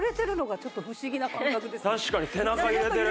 確かに背中揺れてる。